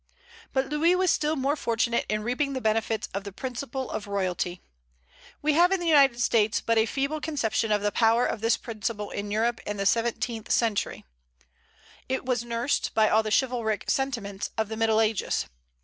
But Louis was still more fortunate in reaping the benefits of the principle of royalty. We have in the United States but a feeble conception of the power of this principle in Europe in the seventeenth century; it was nursed by all the chivalric sentiments of the Middle Ages.